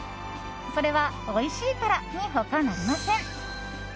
それは、おいしいからに他なりません。